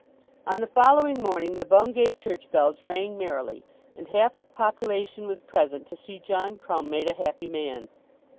On the following morning the Bungay church bells rang merrily, and half its population was present to see John Crumb made a happy man.